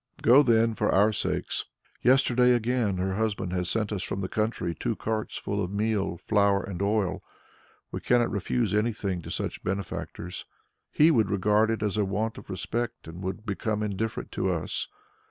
Go then for our sakes. Yesterday again her husband has sent us from the country two carts full of meal, flour and oil. We cannot refuse anything to such benefactors; he would regard it as a want of respect and would become indifferent to us.